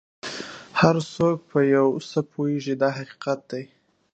هر څوک په یو څه پوهېږي دا حقیقت دی.